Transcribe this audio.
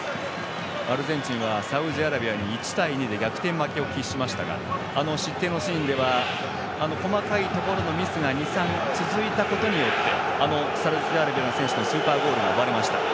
アルゼンチンはサウジアラビアに１対２で逆転を喫しましたが失点のシーンでは細かいところのミスが２３、続いたことによってサウジアラビアの選手のスーパーゴールが生まれました。